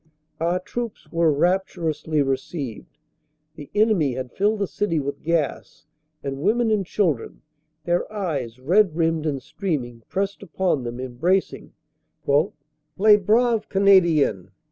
Our troops were rapturously received. The enemy had filled the city with gas, and women and children, their eyes red rimmed and streaming, pressed upon them, embracing a les braves Canadiens."